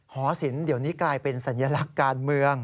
หอศิลป์เดี๋ยวนี้กลายเป็นสัญลักษณ์การเมือง